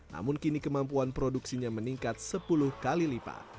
namun kini kemampuan produksinya meningkat sepuluh kali lipat